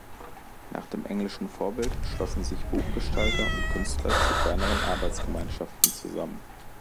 Nach dem englischen Vorbild schlossen sich Buchgestalter und Künstler zu kleineren Arbeitsgemeinschaften zusammen.